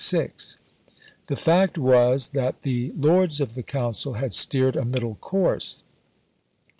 The fact was that the Lords of the Council had steered a middle course.